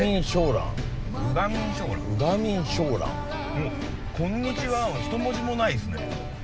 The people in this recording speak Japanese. もう「こんにちは」の一文字もないですね。